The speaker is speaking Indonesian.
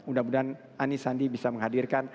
mudah mudahan anisandi bisa menghadirkan